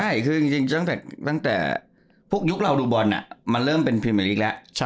ใช่คือจริงตั้งแต่พวกยุคเราดูบอลมันเริ่มเป็นพรีเมอร์ลีกแล้ว